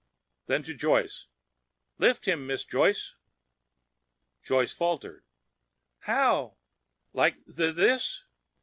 Then to Joyce, "Lift him, Miss Joyce." Joyce faltered, "How? Like th this?"